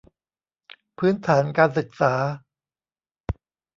พื้นฐานการศึกษา